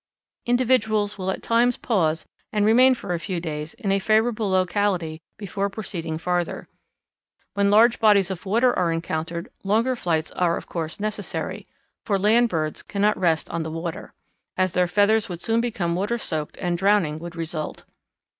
Individuals will at times pause and remain for a few days in a favourable locality before proceeding farther. When large bodies of water are encountered longer flights are of course necessary, for land birds cannot rest on the water as their feathers would soon become water soaked and drowning would result.